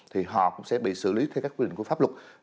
thì họ cũng sẽ bị xử lý theo các quy định của pháp luật